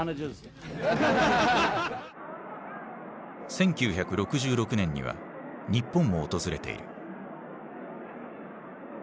１９６６年には日本を訪れている。